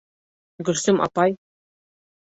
Гөлсөм апай: